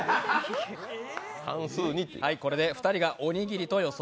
これで２人が、おにぎりと予想。